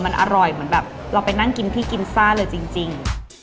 มันอร่อยเหมือนแบบเราไปนั่งกินที่กินซ่าเลยจริง